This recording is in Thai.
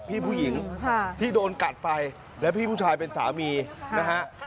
พี่ผู้หญิงที่โดนกัดไปแล้วพี่ผู้ชายเป็นสามีนะฮะ